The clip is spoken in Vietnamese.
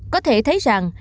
có thể thấy rằng